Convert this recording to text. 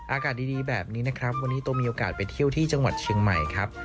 อากาศดีแบบนี้นะครับวันนี้โตมีโอกาสไปเที่ยวที่จังหวัดเชียงใหม่ครับ